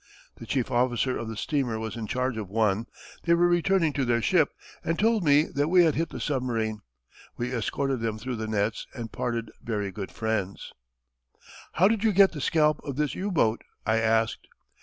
The chief officer of the steamer was in charge of one. They were returning to their ship, and told me that we had hit the submarine. We escorted them through the nets and parted very good friends." "But how did you get the scalp of this U boat?" I asked.